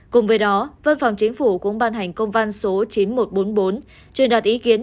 cùng với đó văn phòng chính phủ cũng ban hành công văn số chín nghìn một trăm bốn mươi bốn truyền đạt ý kiến